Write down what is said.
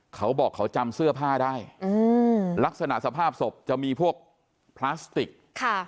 เขาบอกเขาจำเสื้อผ้าได้อืมลักษณะสภาพศพจะมีพวกพลาสติกค่ะ